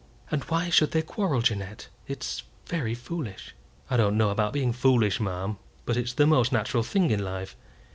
"And why should they quarrel, Jeannette? It's very foolish." "I don't know about being foolish, ma'am; but it's the most natural thing in life.